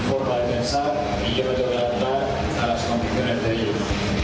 dan saya harus mencari kemampuan untuk berpengalaman